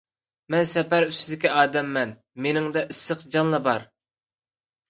مەن سەپەر ئۈستىدىكى ئادەممەن، مېنىڭدە ئىسسىق جانلا بار.